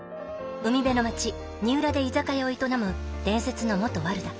海辺の町二浦で居酒屋を営む伝説の元ワルだ。